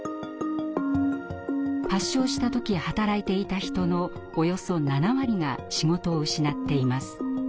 発症した時働いていた人のおよそ７割が仕事を失っています。